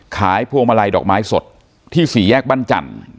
ขายพวงมาลัยดอกไม้สดที่ศรีแยกบั้นจันทร์